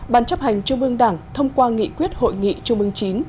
ban chấp hành trung ương đảng thông qua nghị quyết hội nghị trung ương chín